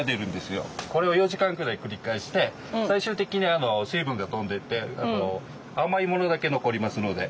これを４時間くらい繰り返して最終的に水分が飛んでいって甘いものだけ残りますので。